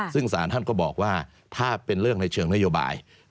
ซึ่งสารท่านก็บอกว่าถ้าเป็นเรื่องในเชิงนโยบาย